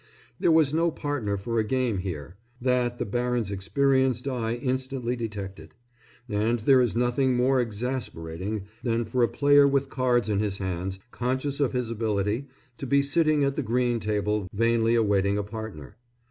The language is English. There was no partner for a game here that the baron's experienced eye instantly detected. And there is nothing more exasperating than for a player with cards in his hands, conscious of his ability, to be sitting at the green table vainly awaiting a partner.